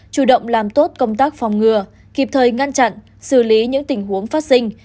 chủ động làm tốt công tác phòng ngừa kịp thời ngăn chặn xử lý những tình huống phát sinh